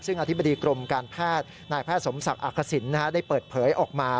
ซึ่งอธิบดีกรมการแพทย์นายแพทย์สมศักดิ์อักษิณได้เปิดเผยออกมา